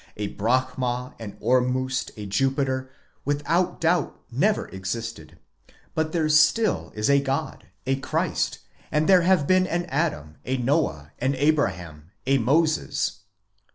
A Brahma, an Ormusd, a Jupiter, without doubt never existed; but there still is a God, a Christ, and there have been an Adam, a Noah, an Abraham, a Moses."